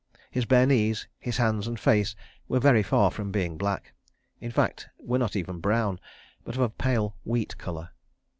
His bare knees, his hands and face were very far from being black; in fact, were not even brown, but of a pale wheat colour.